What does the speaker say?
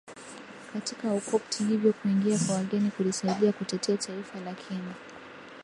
katika Ukopti Hivyo kuingia kwa wageni kulisaidia kutetea taifa lakini